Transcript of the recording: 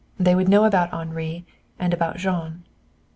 They would know about Henri, and about Jean.